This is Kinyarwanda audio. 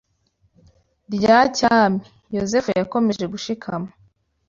rya cyami, Yosefu yakomeje gushikama